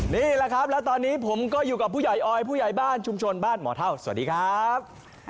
นี่แหละครับแล้วตอนนี้ผมก็อยู่กับผู้ใหญ่ออยผู้ใหญ่บ้านชุมชนบ้านหมอเท่าสวัสดีครับ